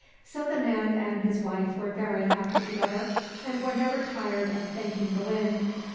So the man and his wife were very happy together, and were never tired of thanking the Wind.